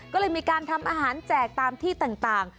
ก็เลยมีการทำอาหารแจกตามที่ต่าง